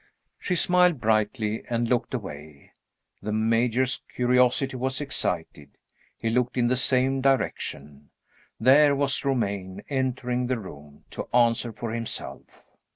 She smiled brightly, and looked away. The Major's curiosity was excited he looked in the same direction. There was Romayne, entering the room, to answer for himself.